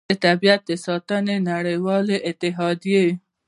د طبیعت د ساتنې نړیوالې اتحادیې